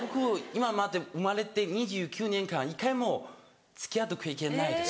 今まで生まれて２９年間一回も付き合った経験ないです。